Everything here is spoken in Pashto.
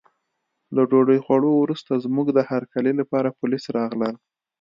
له ډوډۍ خوړو وروسته زموږ د هرکلي لپاره پولیس راغلل.